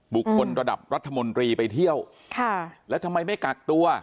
บุคคลระดับรัฐมนตรีไปเที่ยวค่ะแล้วทำไมไม่กักตัว